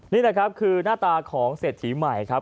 นี่แหละครับคือหน้าตาของเศรษฐีใหม่ครับ